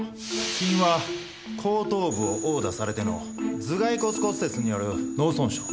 死因は後頭部を殴打されての頭蓋骨骨折による脳損傷。